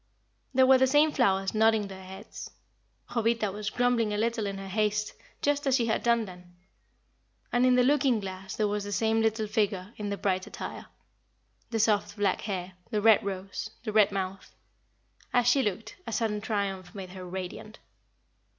There were the same flowers nodding their heads; Jovita was grumbling a little in her haste, just as she had done then; and in the looking glass there was the same little figure in the bright attire the soft black hair, the red rose, the red mouth. As she looked, a sudden triumph made her radiant.